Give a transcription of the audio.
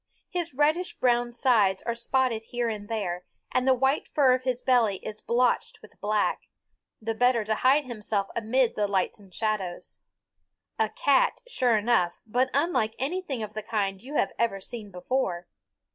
His reddish brown sides are spotted here and there, and the white fur of his belly is blotched with black the better to hide himself amid the lights and shadows. A cat, sure enough, but unlike anything of the kind you have ever seen before.